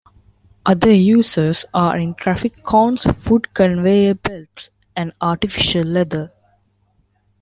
Other uses are in traffic cones, food conveyor belts, and artificial leather.